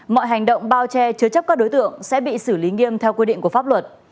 mọi hành động bao che chứa chấp các đối tượng sẽ bị xử lý nghiêm theo quy định của pháp luật